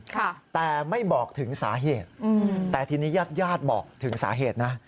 ค่ะแต่ไม่บอกถึงสาเหตุแต่ทีนี้ญาติบอกถึงสาเหตุนะ